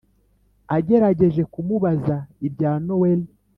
agerageje kumubaza ibya nowera